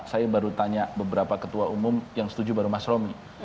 saya baru tanya beberapa ketua umum yang setuju baru mas romi